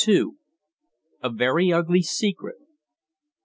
"A VERY UGLY SECRET."